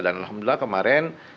dan alhamdulillah kemarin